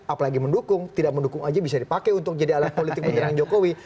apalagi mendukung tidak mendukung aja bisa dipakai untuk jadi alat politik menyerang jokowi